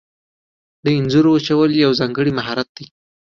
د انځرو وچول یو ځانګړی مهارت دی.